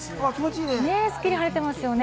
すっきり晴れてますね。